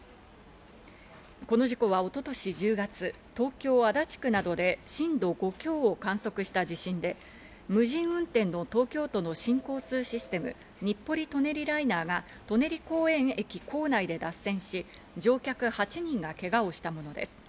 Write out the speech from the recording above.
この事故は一昨年１０月、東京・足立区などで震度５強を観測した地震で、無人運転の東京都の新交通システム、日暮里・舎人ライナーが舎人公園駅構内で脱線し、乗客８人がけがをしたものです。